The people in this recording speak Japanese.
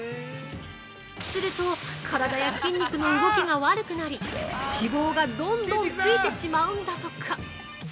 すると、体や筋肉の動きが悪くなり脂肪がどんどんついてしまうんだとか。